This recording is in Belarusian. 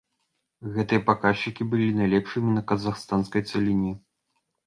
Гэтыя паказчыкі былі найлепшымі на казахстанскай цаліне.